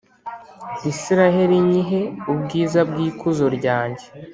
israheli nyihe ubwiza bw’ikuzo ryanjye.